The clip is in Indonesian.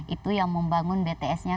itu yang membangun bts nya